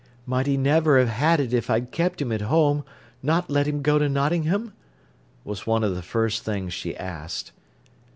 "Might he never have had it if I'd kept him at home, not let him go to Nottingham?" was one of the first things she asked.